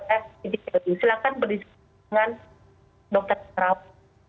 silakan berdiskutisi dengan dokter yang terawal